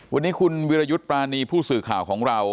วันนี้คุณวิรยุทธ์ปรานีผู้สื่อข่าวของเรา